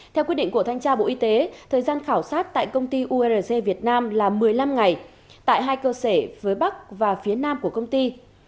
theo quyết định của thanh tra bộ y tế thời gian khảo sát tại công ty urc việt nam là một mươi năm ngày tại hai cơ sở với bắc và phía nam của công ty